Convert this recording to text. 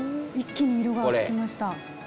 ふん一気に色がつきました。